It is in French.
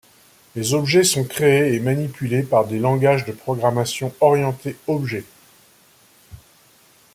Les objets sont créés et manipulés par des langages de programmation orientée objet.